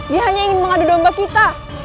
dia hanya ingin mengadu domba kita